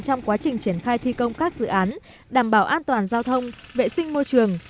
trong quá trình triển khai thi công các dự án đảm bảo an toàn giao thông vệ sinh môi trường